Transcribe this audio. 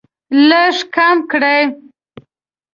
لږ کم کړئ